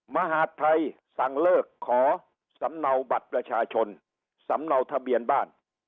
มหาดไทยสั่งเลิกขอสำเนาบัตรประชาชนสำเนาทะเบียนบ้าน